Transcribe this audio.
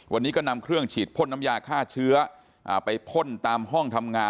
วันนี้ก็นำเครื่องฉีดพ่นน้ำยาฆ่าเชื้อไปพ่นตามห้องทำงาน